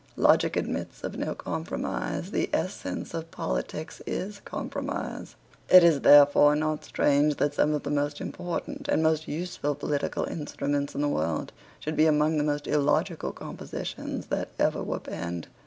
Logic admits of no compromise. The essense of politics is compromise. It is therefore not strange that some of the most important and most useful political instruments in the world should be among the most illogical compositions that ever were penned.